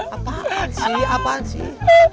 apaan sih apaan sih